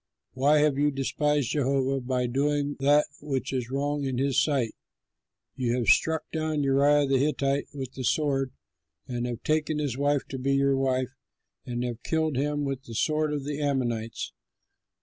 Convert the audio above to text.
Why have you despised Jehovah by doing that which is wrong in his sight? You have struck down Uriah the Hittite with the sword, and have taken his wife to be your wife, and have killed him with the sword of the Ammonites.